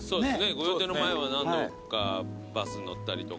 御用邸の前は何度かバス乗ったりとか。